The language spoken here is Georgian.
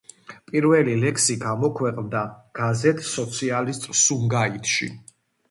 პირველი ლექსი გამოქვეყნდა გაზეთ „სოციალისტ სუმგაითში“.